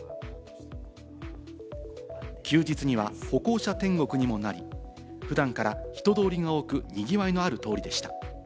休日には歩行者天国にもなり、普段から人通りが多く、にぎわいのある通りでした。